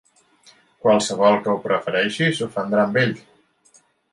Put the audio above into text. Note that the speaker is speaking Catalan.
Qualsevol que ho prefereixi, s'ofendrà amb ell.